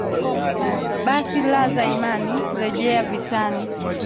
Basi laza imani, rejea vitani